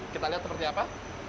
kita lihat seperti apa